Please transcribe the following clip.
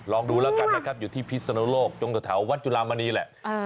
ลองดูละกันนะครับอยู่ที่พฤศโนโรคตรงจอดแถววัดจุลามานีแหละ